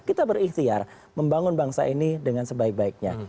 kita berikhtiar membangun bangsa ini dengan sebaik baiknya